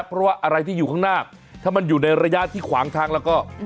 เพราะว่าอะไรที่อยู่ข้างหน้าถ้ามันอยู่ในระยะที่ขวางทางแล้วก็